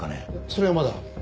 それはまだ。